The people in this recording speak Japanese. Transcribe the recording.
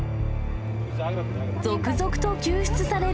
続々と救出される